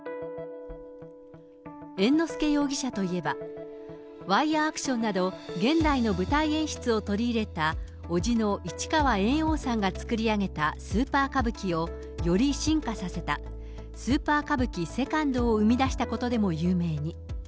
猿之助容疑者といえば、ワイヤーアクションなど、現代の舞台演出を取り入れた伯父の市川猿翁さんが作り上げたスーパー歌舞伎をより進化させた、スーパー歌舞伎セカンドを生み出したことでも有名に。